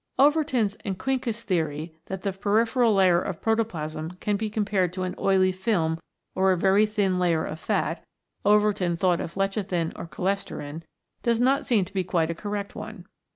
Overton's and Quincke's theory that the peri pheral layer of protoplasm can be compared to an oily film or a very thin layer of fat (Overton thought of lecithin or cholesterin) does not seem to be quite a correct one.